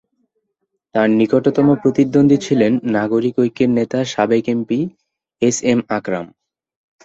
তার নিকটতম প্রতিদ্বন্দ্বী ছিলেন নাগরিক ঐক্যের নেতা সাবেক এমপি এস এম আকরাম।